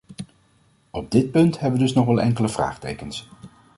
Op dit punt hebben we dus nog wel enkele vraagtekens.